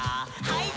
はい。